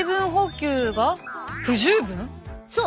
そう！